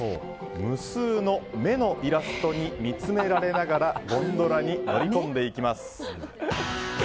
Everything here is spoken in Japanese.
無数の目のイラストに見つめられながらゴンドラに乗り込んでいきます。